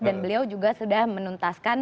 dan beliau juga sudah menuntaskan